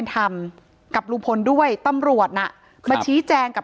ถ้าใครอยากรู้ว่าลุงพลมีโปรแกรมทำอะไรที่ไหนยังไง